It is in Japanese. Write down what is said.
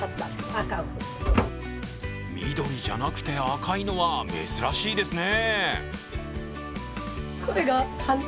緑じゃなくて赤いのは珍しいですね。